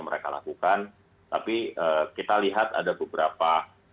mereka lakukan tapi kita lihat ada beberapa